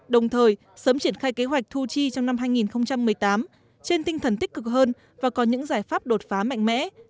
đồng thời sớm triển khai kế hoạch thu chi trong năm hai nghìn một mươi tám trên tinh thần tích cực hơn và có những giải pháp đột phá mạnh mẽ